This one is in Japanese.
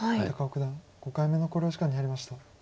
高尾九段５回目の考慮時間に入りました。